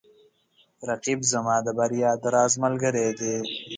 رقیب زما د بریا د راز ملګری دی